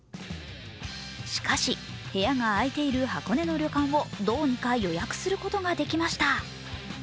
しかし、部屋が空いている箱根の旅館をどうにか予約することができました。